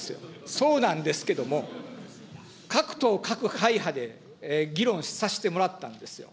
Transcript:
そうなんですけども、各党各会派で議論させてもらったんですよ。